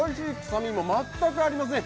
臭みも全くありません。